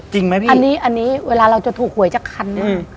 จริงไหมพี่อันนี้อันนี้เวลาเราจะถูกหวยจากคันหนึ่ง